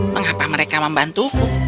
mengapa mereka membantuku